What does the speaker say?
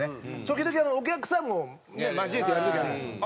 時々お客さんも交えてやる時あるじゃないですか。